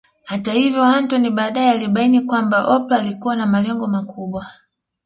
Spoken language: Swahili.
Hata hivyo Anthony baadae alibaini kwamba Oprah alikuwa na malengo makubwa